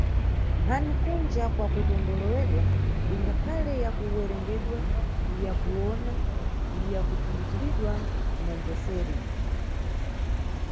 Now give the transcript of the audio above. Nkhani kunja kwakutondolewedwa ingakhale ya ku werengedwa ya kuwona ya kuthumbudzulidwa na mbveseri.